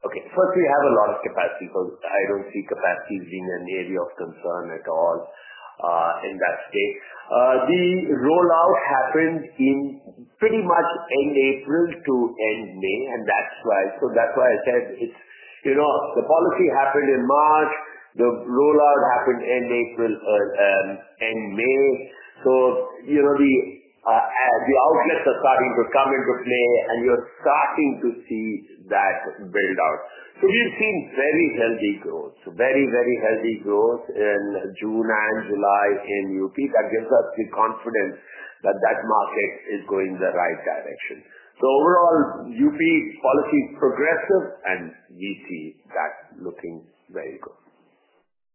Okay. First, we have a lot of capacity because I don't see capacity being an area of concern at all in that state. The rollout happens in pretty much end April to end May. That's why I said it's, you know, the policy happened in March. The rollout happened in April and May. You know, the outlets are starting to come into play, and you're starting to see that build out. We've seen very healthy growth, very, very healthy growth in June and July in Uttar Pradesh. That gives us the confidence that that market is going the right direction. Overall, Uttar Pradesh policy is progressive, and we see that looking very good.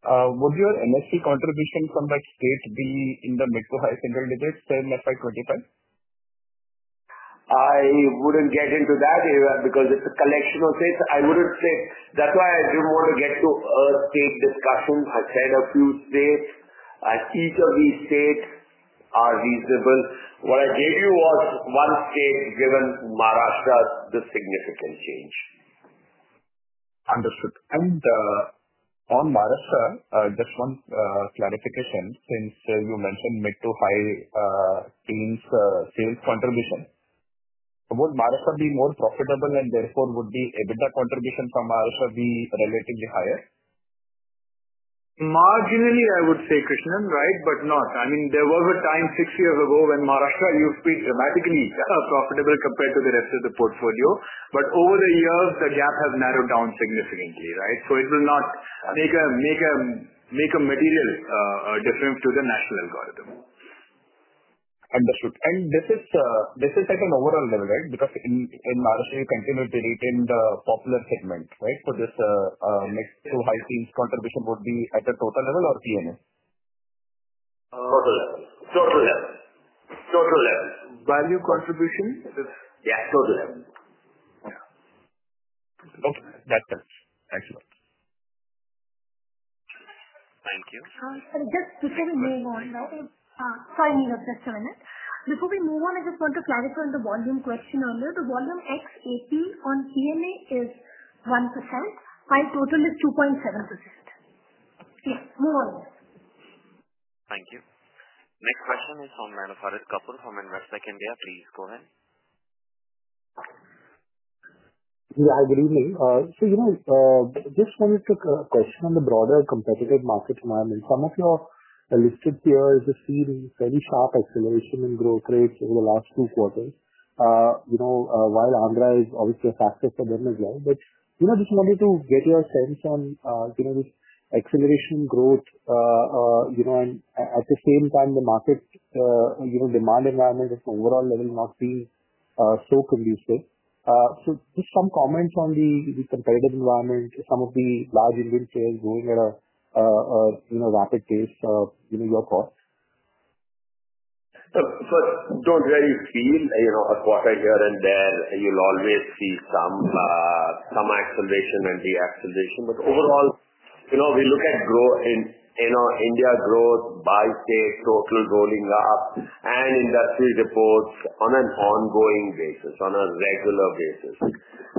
Would your NFC contribution from that stage be in the mid to high single digits, say, 25? I wouldn't get into that because it's a collection of states. I would have said that's why I didn't want to get to earthquake discussion ahead of you states. I see that these states are reasonable. What I gave you was one state, given Maharashtra the significant change. Understood. On Maharashtra, just one clarification since you mentioned mid to high change sales contribution. Would Maharashtra be more profitable, and therefore, would the EBITDA contribution from Maharashtra be relatively higher? Marginally, I would say, Krishnan, right, but not. I mean, there was a time six years ago when Maharashtra used to be dramatically profitable compared to the rest of the portfolio. Over the years, the gap has narrowed down significantly, right? It will not make a material difference to the national algorithm. Understood. This is at an overall level, right? Because in Maharashtra, you continue to retain the popular segment, right? This mix to high change contribution would be at a total level or P&A? Total level. Total level. Total level. Value contribution? Yes, total level. Okay. Excellent. Thank you. Hi, sorry. Just quickly, we move on now. Sorry, this is Amit. Before we move on, I just want to clarify on the volume question on there. The volume X18 on P&A is 1%. My total is 2.7%. Yeah, move on. Thank you. Next question is from line of Manohar Kapoor, home in second West India. Please go ahead. Yeah, I believe me. Just wanted to take a question on the broader competitive market environment. Some of your listed peers have seen very sharp acceleration in growth rates over the last two quarters. Andhra is obviously a factor for them as well. Just wanted to get your sense on this acceleration in growth, and at the same time, the market demand environment at the overall level must be so conducive. Just some comments on the competitive environment, some of the large Indian players going at a rapid pace, your costs. Don't worry. Being, you know, a quarter here and there, you'll always see some acceleration and deceleration. Overall, we look at growth in India, growth by states, total growing up, and industry reports on an ongoing basis, on a regular basis.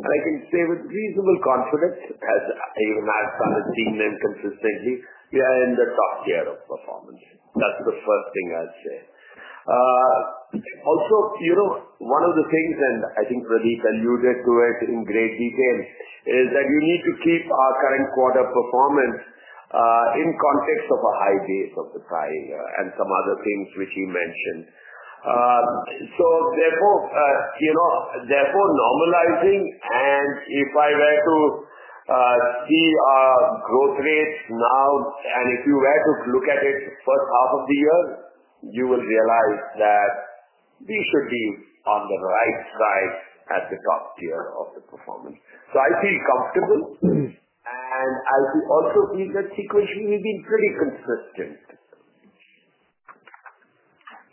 I can say with reasonable confidence, as you and I have seen them consistently, we are in the top tier of performance. That's the first thing I'd say. Also, one of the things, and I think Pradeep alluded to it in great detail, is that we need to keep our current quarter performance in context of a high base of the prior year and some other things which he mentioned. Therefore, normalizing, and if I were to see our growth rates now, and if you were to look at it first half of the year, you will realize that we should be on the right side at the top tier of the performance. I feel comfortable. I also think that situation has been pretty consistent.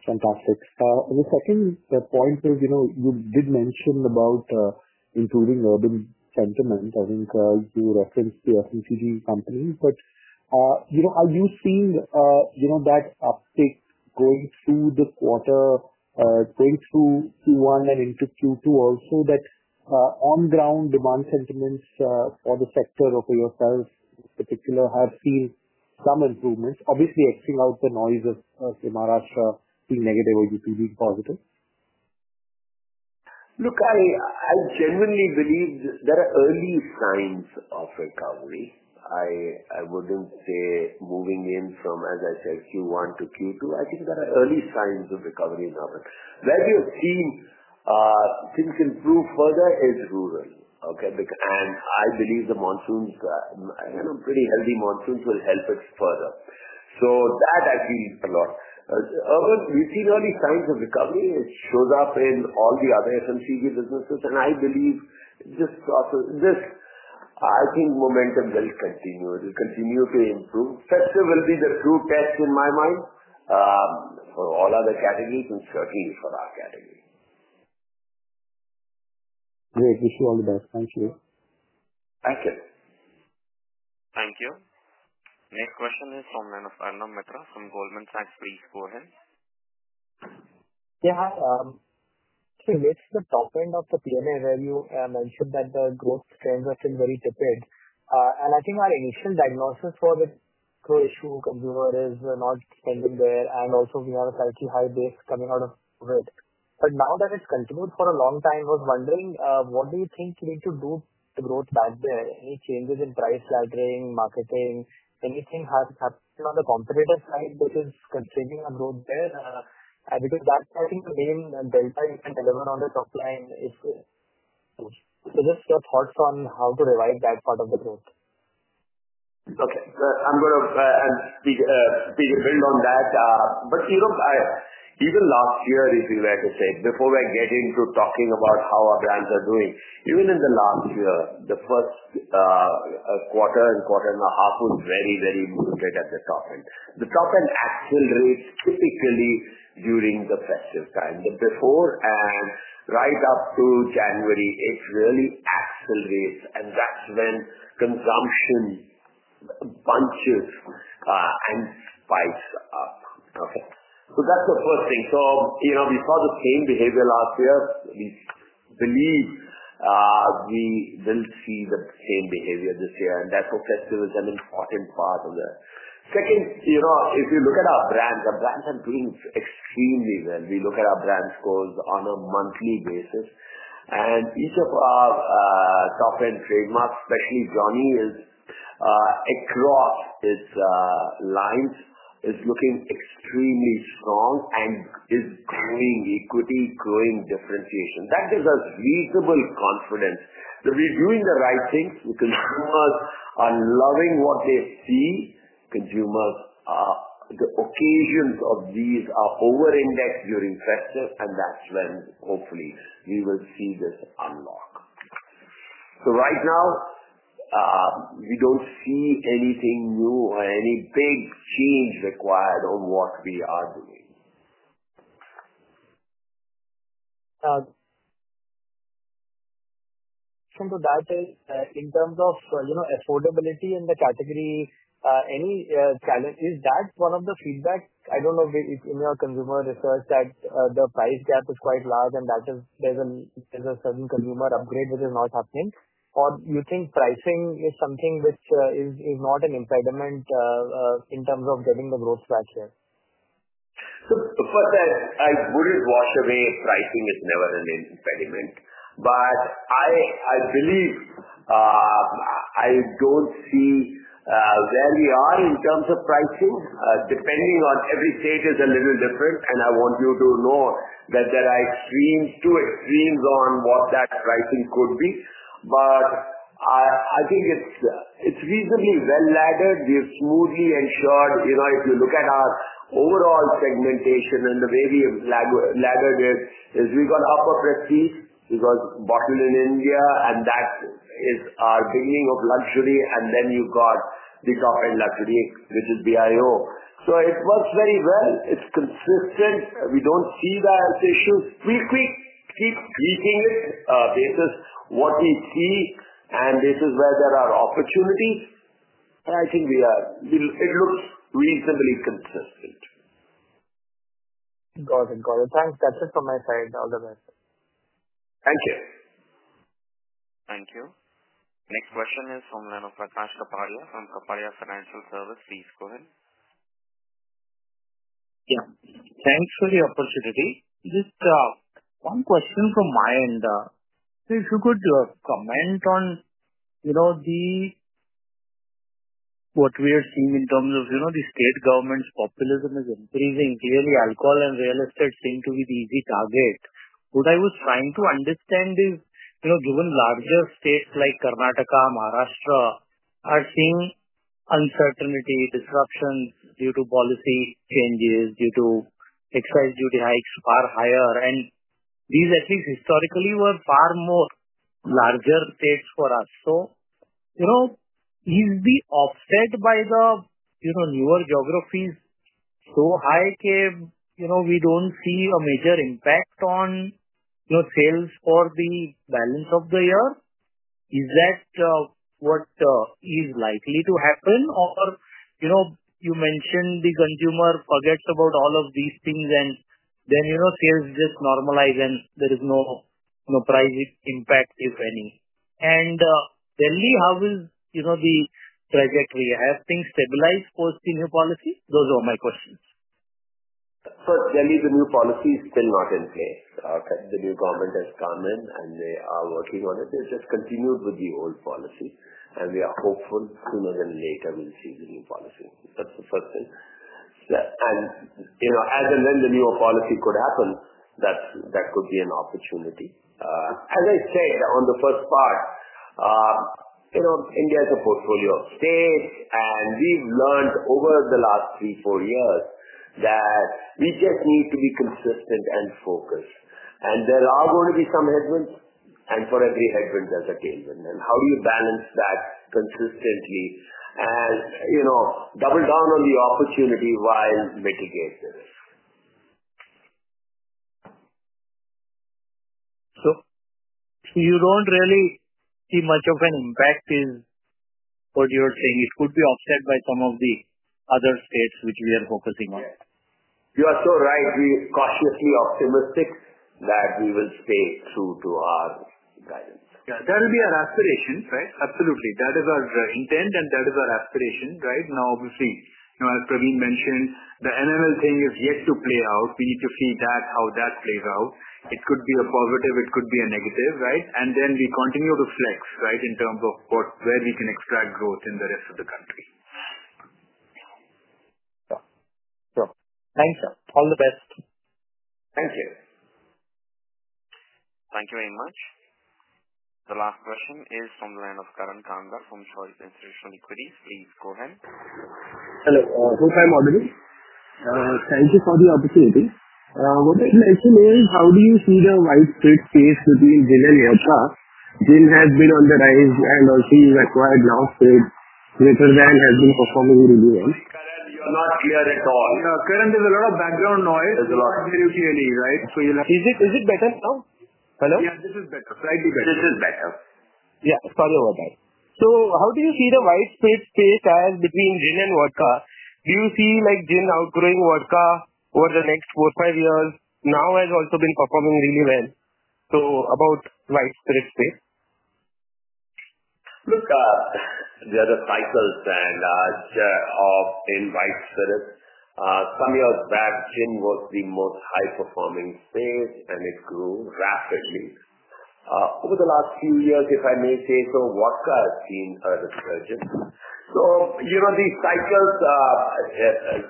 Fantastic. On the second point, you did mention about improving urban sentiment. I think you referenced the FMCG companies. Are you seeing that uptake going through the quarter, going through Q1 and into Q2 also, that on-ground demand sentiments for the sector or yourself in particular have seen some improvements, obviously exiting out the noise of Maharashtra being negative or Uttar Pradesh being positive? Look, I genuinely believe there are early signs of recovery. I wouldn't say moving in from, as I said, Q1 to Q2. I think there are early signs of recovery now. Where we have seen things improve further is rural. I believe the monsoons, you know, pretty healthy monsoons will help us further. That has been a lot. We've seen early signs of recovery, which shows up in all the other FMCG businesses. I believe just this, I think momentum will continue. It will continue to improve. There will be the true test in my mind for all other categories and certainly for our category. We wish you all the best. Thank you. Thank you. Thank you. Next question is from Anna Metra from Goldman Sachs. Please go ahead. Yeah. Let's take the top end of the P&A where you mentioned that the growth trends have been very tepid. I think our initial diagnosis for the core issue is the consumer is not spending there. We also have a slightly high base coming out of COVID. Now that it's continued for a long time, I was wondering what you think we need to do to get growth back there. Any changes in price laddering or marketing? Is anything happening on the competitor side that is constraining growth there? I think the main thing is to deliver on the top line, which is good. Just your thoughts on how to revive that part of the growth. Okay, I'm going to build on that. Even last year, if you were to say, before I get into talking about how our brands are doing, even in the last year, the first quarter and quarter and a half was very, very good at the top end. The top end actually rates particularly during the festive time. Before, right up to January is, really excellent rates. That's when consumption bunches and spikes up. That's the first thing. We saw the same behavior last year. We believe we will see the same behavior this year. Festive is an important part of that. Second, if you look at our brands, our brands are doing extremely well. We look at our brand scores on a monthly basis. Each of our top 10 trademarks, especially Godawan, across its lines, is looking extremely strong and is bringing equity, growing differentiation. That gives us reasonable confidence that we're doing the right things. Consumers are loving what they've seen. Consumers, the occasions of these are over-indexed during festives. That's when, hopefully, we will see this unlock. Right now, we don't see anything new or any big change required on what we are doing. From the back end, in terms of affordability in the category, any challenges? That's one of the feedback. I don't know if in your consumer research that the price gap is quite large and that there's a sudden consumer upgrade that is not happening. You think pricing is something which is not an impediment in terms of getting the growth track here? First, I wouldn't want to say pricing is never an impediment. I believe I don't see where we are in terms of pricing. Depending on every state, it's a little different. I want you to know that there are extremes to extremes on what that pricing could be. I think it's reasonably well laddered. We're smoothly ensured. If you look at our overall segmentation and the way we laddered it, we got upper prestige. We got bottom in India, and that is our beginning of luxury. Then you've got this in luxury, which is BIO. It works very well. It's consistent. We don't see the health issues. We keep keeping it basis what we see, and this is where there are opportunities. I think we are in it was reasonably consistent. Got it. Got it. Thanks. That's it from my side. All the best. Thank you. Thank you. Next question is from one line of Pratash Kaparya from Kaparya Financial Service. Please go ahead. Yeah. Thanks for the opportunity. Just one question from my end. If you could comment on what we are seeing in terms of the state government's populism increasing. Clearly, alcohol and real estate seem to be the easy target. What I was trying to understand is, given larger states like Karnataka and Maharashtra are seeing uncertainty, disruptions due to policy changes, due to excise duty hikes far higher, and these at least historically were far more larger states for us. Is the offset by the newer geographies so high we don't see a major impact on sales for the balance of the year? What is likely to happen? You mentioned the consumer forgets about all of these things, and then sales just normalize, and there is no price impact, if any. In Delhi, how is the trajectory? Have things stabilized post-new policy? Those are my questions. First, Delhi's new policy is still not in place. The new government has come in, and they are working on it. It's just continued with the old policy. We are hopeful sooner than later we'll see the new policy. That's the first thing. As and when the new policy could happen, that could be an opportunity. As I said on the first part, India is a portfolio of states, and we've learned over the last three, four years that we just need to be consistent and focused. There are going to be some headwinds. For every headwind, there's a tailwind. How do you balance that consistently and double down on the opportunity while mitigating the risk? You don't really see much of an impact in what you are saying. It could be offset by some of the other states which we are focusing on. You are so right. We are cautiously optimistic that we will stay true to our guidance. Yeah. That will be our aspiration, right? Absolutely. That is our intent, and that is our aspiration, right? Now, obviously, as Praveen mentioned, the MML thing is yet to play out. We need to see that, how that plays out. It could be a positive. It could be a negative, right? We continue to flex, right, in terms of where we can extract growth in the rest of the country. Yeah, sure. Thank you. All the best. Thank you. Thank you very much. The last question is from the line of Karan Kanga from Soil Translational Equities. Please go ahead. Hello. Hosam Almeghi. Thank you for the opportunity. What I would like to ask you, Mayor, is how do you see the widespread space between Diageo and Godawan? Diageo has been on the rise and also required now space. Godawan has been performing really well. Karan, you're not clear at all. Karan, there's a lot of background noise. There's a lot. Very clearly, right? Is it better now? Hello? Yeah, this is better. Try to get it. This is better. Start over there. How do you see the white spirits space as between Don Julio and Smirnoff Vodka? Do you see Don Julio outgrowing Smirnoff Vodka over the next four, five years? Now it's also been performing really well. About the white spirits space. Look, there are the titles and share of in widespread. Tell you that Dhillon was the most high-performing state, and it grew rapidly over the last few years, if I may say so. Welka is seeing a resurgence. The titles,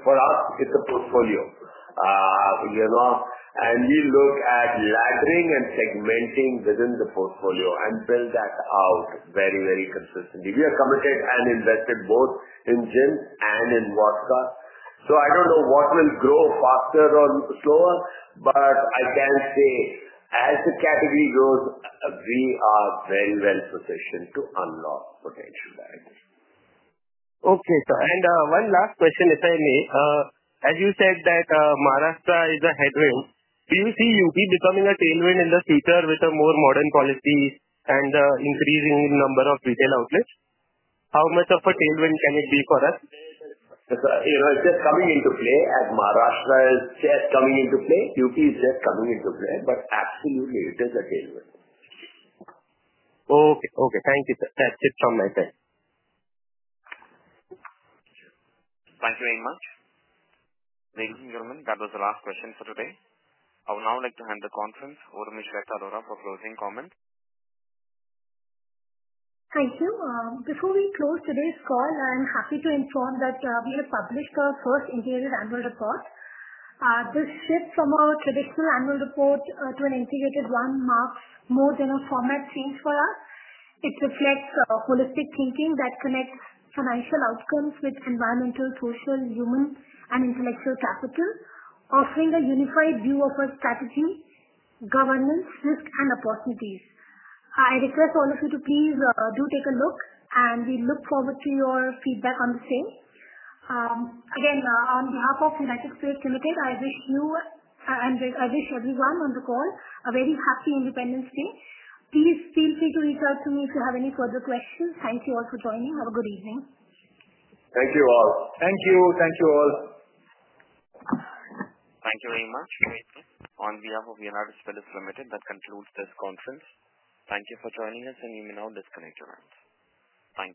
for us, it's a portfolio, you know, and we look at laddering and segmenting within the portfolio and build that out very, very consistently. We are committed and invested both in Dhillon and in Welka. I don't know what will grow faster or slower, but I can say as the category grows, we are very well positioned to unlock potential value. Okay. One last question, if I may. As you said that Maharashtra is a headwind, do you see Uttar Pradesh becoming a tailwind in the future with a more modern policy and the increasing number of retail outlets? How much of a tailwind can it be for us? It's just coming into play. As Maharashtra is just coming into play, Uttar Pradesh is just coming into play, but absolutely, it's just a tailwind. Okay. Okay. Thank you. That's it from my side. Thank you very much. Thank you, gentleman. That was the last question for today. I would now like to hand the conference over to Ms. Shweta Arora for closing comments. Thank you. Before we close today's call, I'm happy to inform that we have published our first integrated annual report. This shifts from our traditional annual report to an integrated one, marked more than a format change for us. It reflects a holistic thinking that connects financial outcomes with environmental, social, human, and intellectual factors, offering a unified view of our strategy, governance, risks, and opportunities. I request all of you to please do take a look, and we look forward to your feedback on the same. Again, on behalf of United Spirits Limited, I wish you and I wish everyone on the call a very happy Independence Day. Please feel free to reach out to me if you have any further questions. Thank you all for joining. Have a good evening. Thank you all. Thank you. Thank you all. Thank you very much. Next is on behalf of United Spirits Limited, that concludes this conference. Thank you for joining us, and we will now disconnect the rounds. Thank you.